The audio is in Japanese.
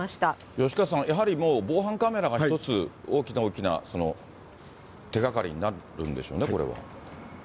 吉川さん、やはりもう防犯カメラが一つ、大きな大きな手がかりになるんでしょうね、これは。